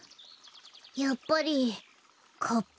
やっぱりカッパ。